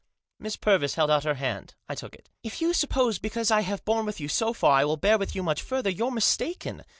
Miss Purvis held out her hand. I took it. " If you suppose because I have borne with you so far I will bear with you much further, you're mistaken.